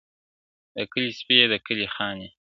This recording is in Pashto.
د کلي سپی یې، د کلي خان دی.